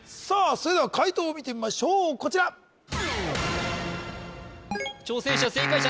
それでは解答を見てみましょうこちら挑戦者正解者